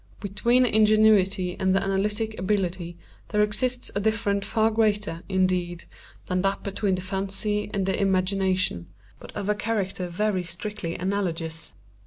Between ingenuity and the analytic ability there exists a difference far greater, indeed, than that between the fancy and the imagination, but of a character very strictly analogous.